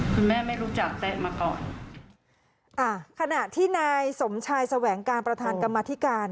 คุณแม่ไม่รู้จักเต๊ะมาก่อน